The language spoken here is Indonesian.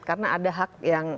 karena ada hak yang